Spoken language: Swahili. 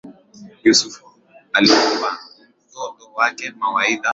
Yusuf alimpa mtoto wake mawaidha